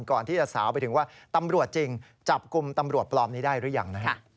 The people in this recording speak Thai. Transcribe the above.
ก่อนที่จะสาวไปถึงว่าตำรวจจริงจับกลุ่มตำรวจปลอมนี้ได้หรือยังนะฮะ